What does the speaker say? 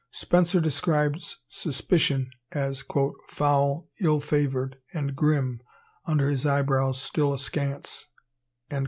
Spenser describes suspicion as "Foul, ill favoured, and grim, under his eyebrows looking still askance," &c.